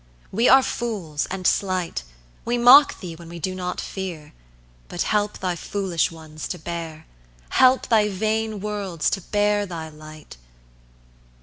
We are fools and slight; We mock thee when we do not fear: But help thy foolish ones to bear; Help thy vain worlds to bear thy light.